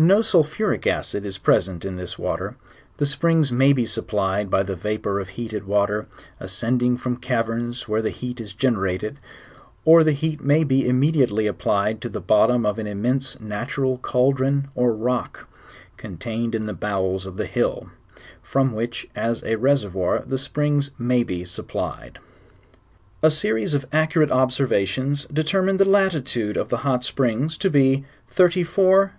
Ao sulphuric acid is present in this water; the springs muy be supplied by the vapour of heated water, a& cendiug from civerns where the heal is generated, or Uie lieat may be immediately applied' to the bottom of an im mense natural chaldron or rock, contained in the bowels of the hill, tiviii whicii as a reservoir the springs may bo sup plied. A serie.8 of accurate observations determined/ the latitude (f the hot tarings to ba34. 31..4E